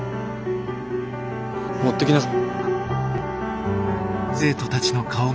鍵を持ってきなさい。